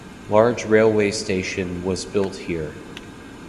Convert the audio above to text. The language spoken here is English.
Large railway station was built here.